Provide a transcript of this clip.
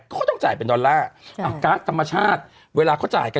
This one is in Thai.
เขาต้องจ่ายเป็นดอลลาร์ก๊าซธรรมชาติเวลาเขาจ่ายกัน